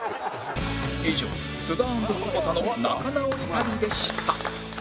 以上津田＆久保田の仲直り旅でした